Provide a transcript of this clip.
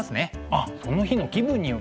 あっその日の気分によって。